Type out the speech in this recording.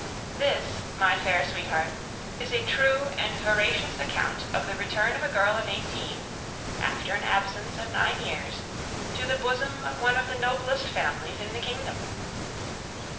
This, my fair sweetheart, is a true and veracious account of the return of a girl of eighteen, after an absence of nine years, to the bosom of one of the noblest families in the kingdom.